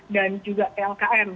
dan juga tlkm